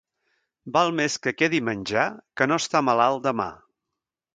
Val més que quedi menjar que no estar malalt demà.